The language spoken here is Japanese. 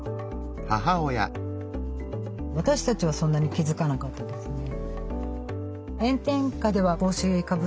私たちはそんなに気付かなかったですね。